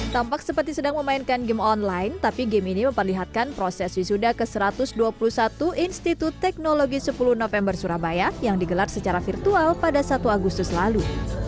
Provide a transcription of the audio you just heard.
tampak seperti sedang memainkan game online tapi game ini memperlihatkan proses wisuda ke satu ratus dua puluh satu institut teknologi sepuluh november surabaya yang digelar secara virtual pada satu agustus lalu